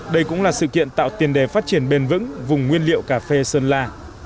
đây cũng là sự kiện tạo tiền đề phát triển bền vững vùng nguyên liệu cà phê sơn la